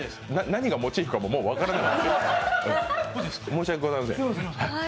何がモチーフかももう分からないから。